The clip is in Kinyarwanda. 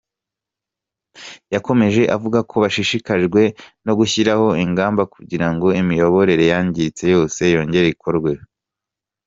Yakomeje avuga ko bashishikajwe no gushyiraho ingamba kugira ngo imiyoboro yangiritse yose yongere ikorwe.